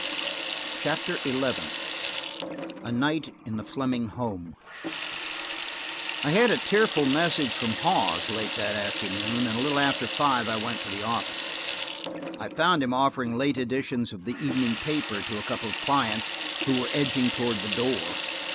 CHAPTER XI A NIGHT IN THE FLEMING HOME I HAD a tearful message from Hawes late that afternoon, and a little after five I went to the office. I found him offering late editions of the evening paper to a couple of clients, who were edging toward the door.